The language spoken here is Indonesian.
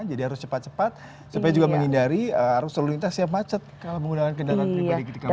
jadi harus cepat cepat supaya juga menghindari harus selalu minta siap macet kalau menggunakan kendaraan pribadi ketika muda